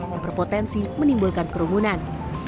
yang berpotensi menimbulkan kerumunan